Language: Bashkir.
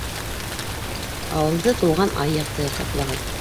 Ауылды тулған ай яҡтыһы ҡаплаған.